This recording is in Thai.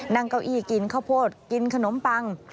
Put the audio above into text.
นั่งเก้าอี้กินข้าวโพดกินขนมปัง